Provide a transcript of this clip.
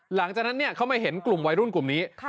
หลังจากนั้นเขามาเห็นกลุ่มวัยรุ่นกลุ่มนี้